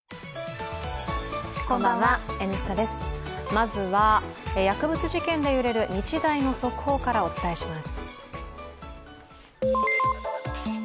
まずは薬物事件で揺れる日大の速報からお伝えします。